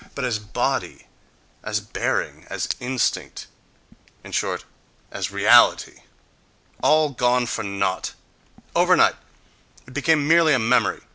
But as body, as bearing, as instinct—in short, as reality.... All gone for naught! Overnight it became merely a memory!